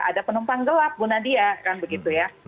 ada penumpang gelap bu nadia kan begitu ya